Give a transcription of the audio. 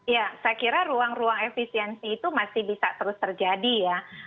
ya saya kira ruang ruang efisiensi itu masih bisa terus terjadi ya